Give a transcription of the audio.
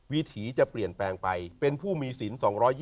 วิถีจะเปลี่ยนแปลงไปเป็นผู้มีศิลป์๒๒๐